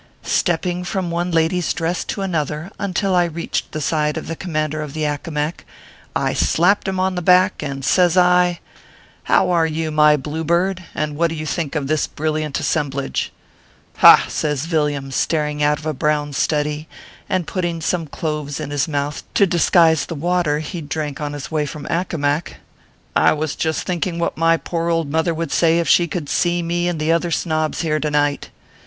Stepping from one lady s dress to another, until I reached the side of the Commander of the Aecomac, I slapped him on the back, and says I :" How are you, my blue bird ; and what do you think of this brilliant assemblage ?"" Ha !" says Villiam, starting out of a brown study, and putting Borne cloves in his mouth, to disguise the water he d drank on his way from Aeco mac " I was just thinking what my poor old mother would say if she could see me and the other snobs here to night.